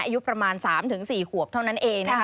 อายุประมาณ๓๔ขวบเท่านั้นเองนะคะ